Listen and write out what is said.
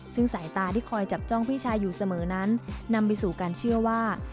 ซึ่งสายตาที่คอยจับจ้องพี่ชายอยู่เสมอนั้นนำไปสู่การเชื่อว่า